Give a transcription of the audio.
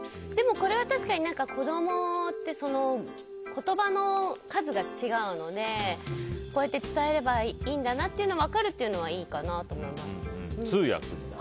これは確かに子供って言葉の数が違うので、こうやって伝えればいいんだなっていうのが分かるっていうのは通訳。